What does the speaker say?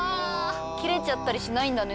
切れちゃったりしないんだね。